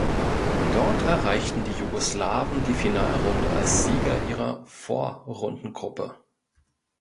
Dort erreichten die Jugoslawen die Finalrunde als Sieger ihrer Vorrundengruppe.